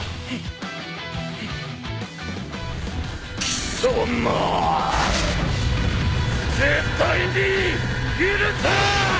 貴様絶対に許さーん！